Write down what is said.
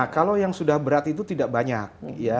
kalau yang sudah berat itu tidak banyak